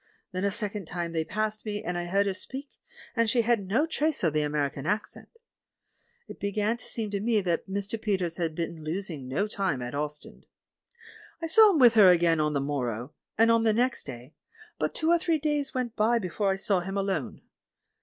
Then a second trnie they passed me, and I heard her speak, and she had no trace of the American accent. It began to seem to me that Mr. Peters had been losing no time at Ostend. I saw him with her again on the morrow, and on the next day, but two or three days went by before I saw him alone.